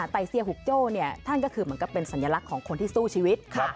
ไตเซียหุกโจ้มันก็เป็นสัญลักษณ์ของคนที่สู้ชีวิต